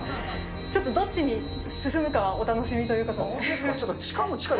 ちょっと、どっちに進むかというのはお楽しみということで。